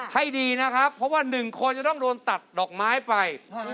ให้ดีนะครับเพราะว่า๑คนจะต้องโดนตัดดอกไม้ไป